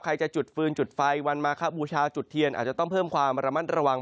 ใครจะจุดฟืนจุดไฟวันมาคบูชาจุดเทียนอาจจะต้องเพิ่มความระมัดระวัง